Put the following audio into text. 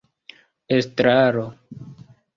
estraro